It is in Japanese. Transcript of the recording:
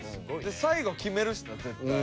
最後決めるしな絶対。